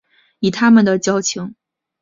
以他们的交情